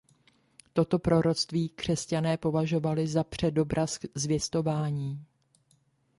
Toto proroctví křesťané považovali za předobraz Zvěstování.